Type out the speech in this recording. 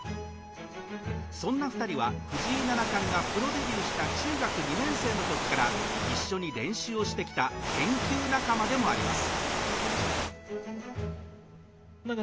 そんな２人は藤井七冠がプロデビューした中学２年生のときから一緒に練習をしてきた研究仲間でもあります。